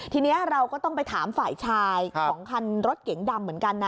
ทีนี้เราก็ต้องไปถามฝ่ายชายของคันรถเก๋งดำเหมือนกันนะ